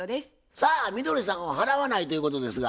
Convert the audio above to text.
さあみどりさんは払わないということですが？